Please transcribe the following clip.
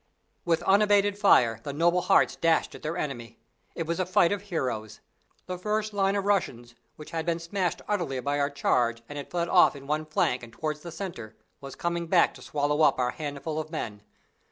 With unabated fire, the noble hearts dashed at their enemy. It was a fight of heroes. The first line of Russians which had been smashed utterly by our charge and had fled off at one flank and towards the centre was coming back to swallow up our handful of men.